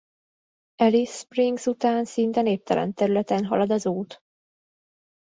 Alice Springs után szinte néptelen területen halad az út.